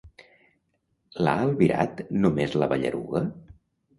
L'ha albirat només la Ballaruga?